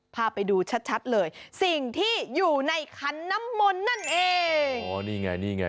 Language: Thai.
พาไปดูชัดเลยสิ่งที่อยู่ในคันน้ำมนนั่นเอง